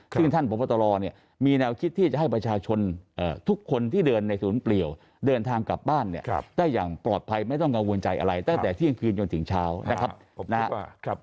ซึ่งท่านพบตรเนี่ยมีแนวคิดที่จะให้ประชาชนทุกคนที่เดินในศูนย์เปลี่ยวเดินทางกลับบ้านเนี่ยได้อย่างปลอดภัยไม่ต้องกังวลใจอะไรตั้งแต่เที่ยงคืนจนถึงเช้านะครับ